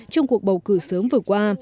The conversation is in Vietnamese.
trong cuộc bầu cử sớm vừa qua